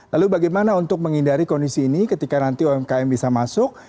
lalu bagaimana untuk menghindari kondisi ini ketika nanti umkm bisa masuk